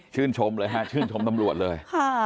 ชมเลยฮะชื่นชมตำรวจเลย